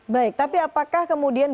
baik tapi apakah kemudian